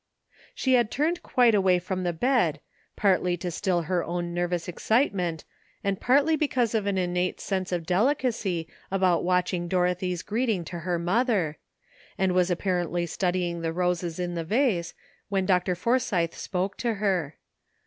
" She had tin ned quite away from the bed, partly to still her own nervous excitement, and partly because of an innate sense of delicacy 244 LEARNING. about watching Dorothy's greeting to her mother, and was apparently studying the roses in the vase, when Dr. Forsythe spoke to her.